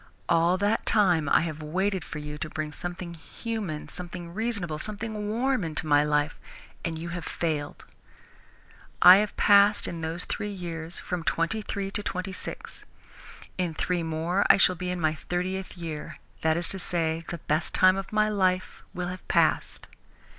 All that time I have waited for you to bring something human, something reasonable, something warm into my life, and you have failed. I have passed, in those three years, from twenty three to twenty six. In three more I shall be in my thirtieth year that is to say, the best time of my life will have passed.